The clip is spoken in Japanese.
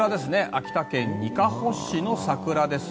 秋田県にかほ市の桜です。